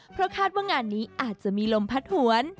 เพราะคาดว่างานนี้อาจจะมีลมพัดหวน